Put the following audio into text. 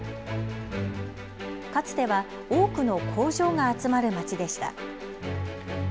かつては多くの工場が集まる街でした。